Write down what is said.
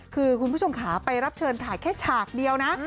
คือคุณผู้ชมขาไปรับเชิญถ่ายแค่ฉากเดียวนะ